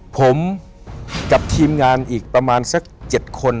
ผมกับทีมงานอีกประมาณสัก๗คน